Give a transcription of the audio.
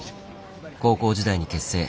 高校時代に結成。